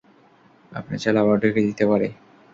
আপনি চাইলে আবার ঢুকিয়ে দিতে পারি।